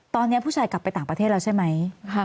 ตอนนี้ผู้ชายกลับไปต่างประเทศแล้วใช่ไหม